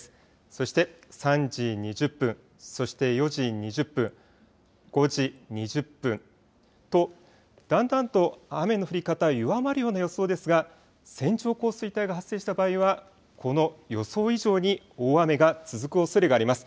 そして３時２０分、そして４時２０分、５時２０分とだんだんと雨の降り方弱まるような予想ですが線状降水帯が発生した場合はこの予想以上に大雨が続くおそれがあります。